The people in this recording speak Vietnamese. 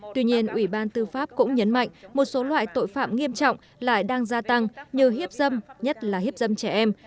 tuy nhiên ủy ban tư pháp cũng nhấn mạnh một số loại tội phạm nghiêm trọng lại đang gia tăng như hiếp dâm nhất là hiếp dâm trẻ em